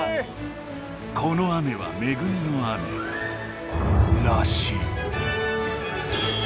この雨はめぐみの雨らしい。